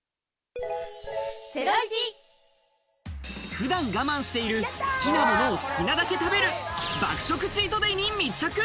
普段、我慢している好きなものを好きなだけ食べる爆食チートデイに密着。